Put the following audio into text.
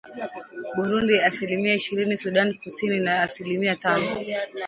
Burundi asilimia ishirini Sudan Kusini na asilimia tano